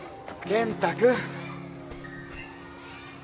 健太君。